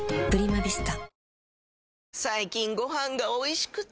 最近ご飯がおいしくて！